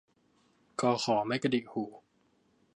ก ข ไม่กระดิกหู